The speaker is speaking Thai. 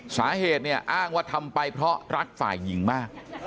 สาเหตุเนี่ยอ้างว่าทำไปเพราะรักฝ่ายหญิงมาก